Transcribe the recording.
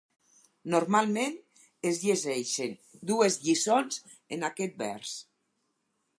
Normalment, es llegeixen dues lliçons en aquest vers.